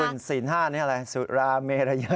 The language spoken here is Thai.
เดี๋ยวคุณศีล๕นี่อะไรสุราเมรยะ